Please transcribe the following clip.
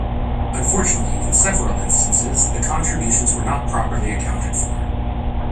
Unfortunately, in several instances the contributions were not properly accounted for.